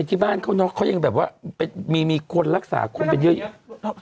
ที่บ้านเขายังแบบว่ามีคนรักษาคนเป็นเยอะอย่างนี้